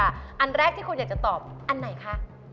อันแรกที่คุณอยากจะตอบอันไหนคะ